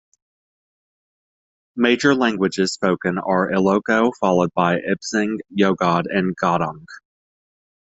Major languages spoken are Ilocano followed by Ibanag, Yogad and Gaddang.